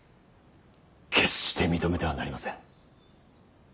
決して認めてはなりません。